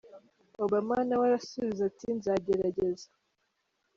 Obama na we arasubiza, ati “ nzagerageza.